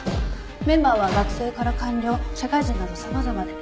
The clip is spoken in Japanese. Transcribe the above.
メンバーは学生から官僚社会人など様々で。